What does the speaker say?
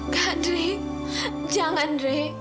kak dre jangan dre